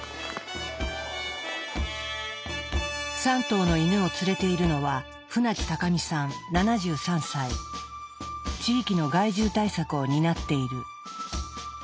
３頭のイヌを連れているのは地域の害獣対策を担っている。